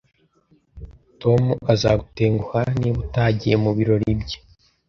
Tom azagutenguha niba utagiye mubirori bye